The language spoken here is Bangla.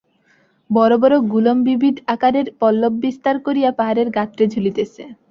বড়ো বড়ো গুলম বিবিধ আকারের পল্লব বিস্তার করিয়া পাহাড়ের গাত্রে ঝুলিতেছে।